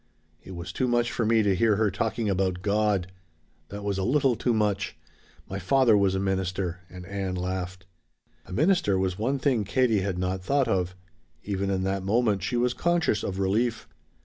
"It was too much for me to hear her talking about God! That was a little too much! My father was a minister!" And Ann laughed. A minister was one thing Katie had not thought of. Even in that moment she was conscious of relief.